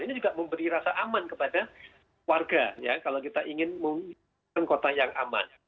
ini juga memberi rasa aman kepada warga ya kalau kita ingin memiliki kota yang aman